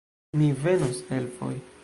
Mi venos elfoj